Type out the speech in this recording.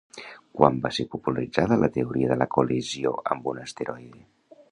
Quan va ser popularitzada la teoria de la col·lisió amb un asteroide?